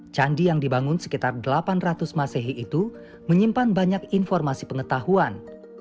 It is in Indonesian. candi yang dibangun sekitar delapan ratus masehi itu menyimpan banyak informasi pengetahuan